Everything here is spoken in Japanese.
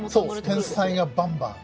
そう天才がバンバン。